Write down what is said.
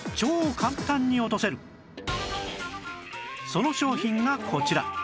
その商品がこちら